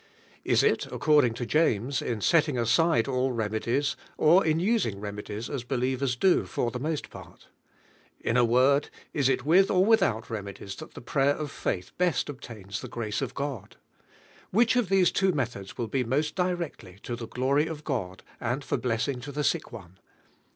Is it, ac eording bo JameBj in setting aside fill remedies or in using remedies as believers do for the most part? In 11 word, is it witli or without IviiU'iSi: : I III! i Ik [inivcf of 1";|j| h ln sl r a I > tains the grace of ihnVi Which of these two methods will be most directly to the glory of God and Tor blessing to the sick one?